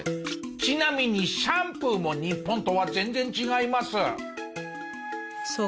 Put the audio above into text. ちなみにシャンプーも日本とは全然違います！